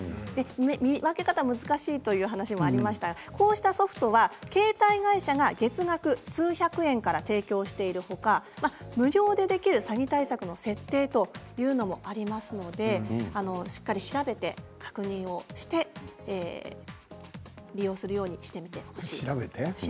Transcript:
見分け方、難しいという話がありましたが、こうしたソフトは携帯会社が月額数百円から提供している他無料でできる詐欺対策の設定というのもありますのでしっかり調べて確認をして利用するようにしてみてほしいと。